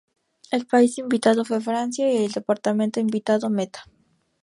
El país invitado fue Francia y el departamento invitado Meta.